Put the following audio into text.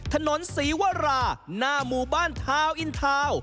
ถนนศรีวราหน้าหมู่บ้านทาวน์อินทาวน์